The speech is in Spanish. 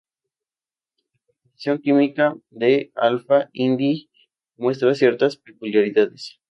La composición química de Alfa Indi muestra ciertas peculiaridades.